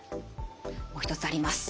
もう一つあります。